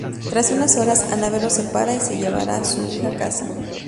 Tras unas horas, Anabel los separa y se llevará a su hija a casa.